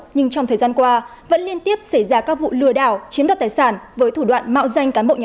nhưng trong thời gian qua vẫn liên tiếp xảy ra các vụ lừa đảo chiếm đoạt tài sản với thủ đoạn mạo danh cán bộ nhà